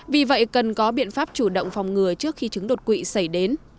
vì vậy cần có biện pháp chủ động phòng ngừa trước khi chứng đột quỵ xảy đến